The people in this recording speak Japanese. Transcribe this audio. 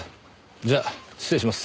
じゃあ失礼します。